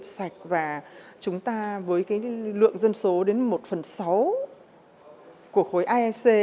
một nền nghiệp sạch và chúng ta với lượng dân số đến một phần sáu của khối asean